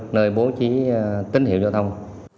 nơi bố trí tín hiệu giao thông